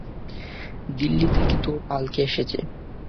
দিল্লি থেকে তোর পালকি এসেছে।